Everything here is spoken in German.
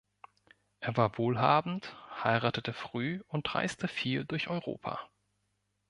Er war wohlhabend, heiratete früh und reiste viel durch Europa.